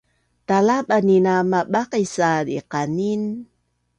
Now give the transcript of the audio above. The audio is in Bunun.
Talabanin a mabaqis a diqanin